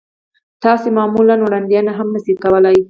تاسې يې معمولاً وړاندوينه هم نه شئ کولای.